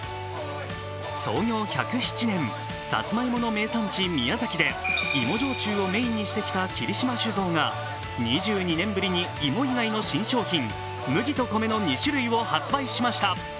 創業１０７年、さつまいもの名産地・宮崎で芋焼酎をメインにしてきた霧島酒造が２２年ぶりに芋以外の新商品、麦と米の２種類を発売しました。